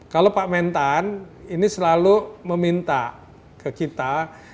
kalau pak mentan ini selalu meminta ke kita